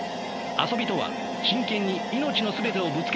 遊びとは真剣に命の全てをぶつける行為なのである。